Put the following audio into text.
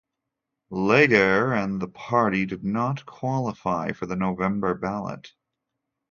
Legere and the party did not qualify for the November ballot.